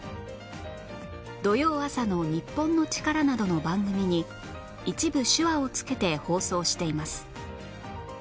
土曜朝の『日本のチカラ』などの番組に一部手話をつけて放送しています